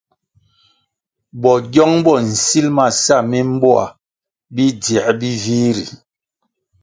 Bogyong bo nsil ma sa mimboa bidziē bi vih ri.